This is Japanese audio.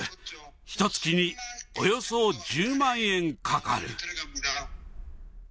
ひとつきにおよそ１０万円かかる。